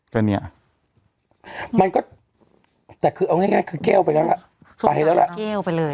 ก็เนี่ยมันก็แต่คือเอาง่ายคือแก้วไปแล้วล่ะไปแล้วล่ะแก้วไปเลย